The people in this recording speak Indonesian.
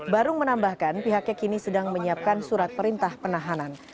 barung menambahkan pihaknya kini sedang menyiapkan surat perintah penahanan